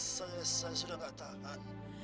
saya sudah gak tahan